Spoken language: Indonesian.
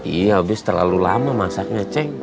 iya habis terlalu lama masaknya ceng